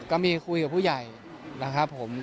ก็มีคุยกับผู้ใหญ่นะครับผม